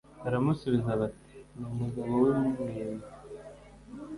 baramusubiza bati ni umugabo w impwempwe